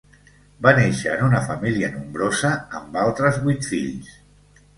Va néixer en una família nombrosa amb altres vuit fills.